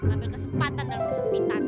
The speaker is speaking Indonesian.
ambil kesempatan dan kesempitan